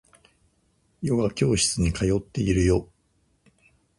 ヨガ教室に通っているよ